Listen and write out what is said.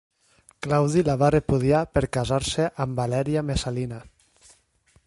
Claudi la va repudiar per casar-se amb Valèria Messalina.